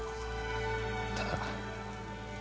ただ。